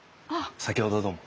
先ほどはどうも。